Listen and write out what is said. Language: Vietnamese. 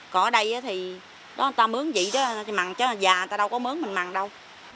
còn ở đây thì đó người ta mướn gì đó mặn chứ là già người ta đâu có mướn mình mặn đâu